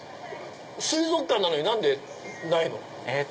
水族館なのに何でないの？